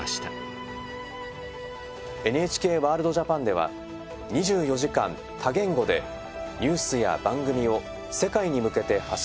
「ＮＨＫワールドＪＡＰＡＮ」では２４時間多言語でニュースや番組を世界に向けて発信しています。